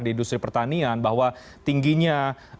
di industri pertanian bahwa tingginya